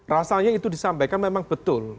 rasanya itu disampaikan memang betul